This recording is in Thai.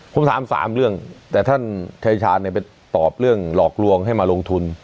ผมถาม๓เรื่องแต่ท่านชายชาญไปตอบเรื่องหลอกลวงให้มาลงทุน